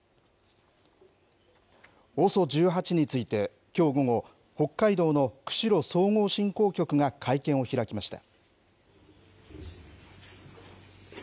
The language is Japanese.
ＯＳＯ１８について、きょう午後、北海道の釧路総合振興局が会見を開きました。